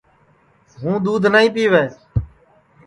ہُوں دُؔودھ نائی پِیوے